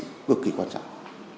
ngược kỳ quan trọng